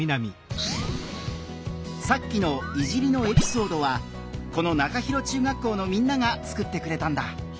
さっきの「いじり」のエピソードはこの中広中学校のみんなが作ってくれたんだ。